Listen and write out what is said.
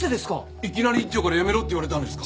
いきなり院長から辞めろって言われたんですか？